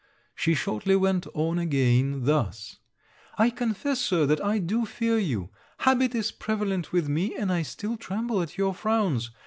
She shortly went on again thus: 'I confess, Sir, that I do fear you. Habit is prevalent with me, and I still tremble at your frowns.